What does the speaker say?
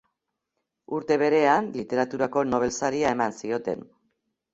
Urte berean, Literaturako Nobel saria eman zioten.